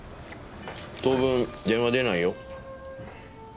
当分電話出ないよ。